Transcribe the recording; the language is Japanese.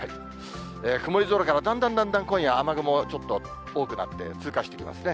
曇り空からだんだんだんだん今夜、雨雲ちょっと多くなって、通過していきますね。